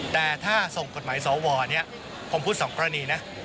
แต่ถ้าส่งกฎหมายสวผมพูด๒กรณีนะ